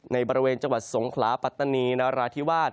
ในบริเวณจังหวัดสงขลาปัตตานีนราธิวาส